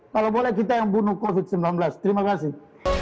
kalau boleh kita yang bunuh covid sembilan belas terima kasih